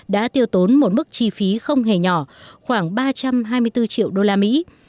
đã tiêu tốn một mức chi phí không hề nhỏ khoảng ba trăm hai mươi bốn triệu đô la mỹ